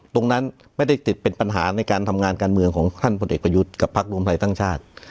ตรงนั้นไม่ได้ติดเป็นปัญหาในการทำงานการเมืองของท่านพลเอกประยุทธ์กับพักรวมไทยสร้างชาติ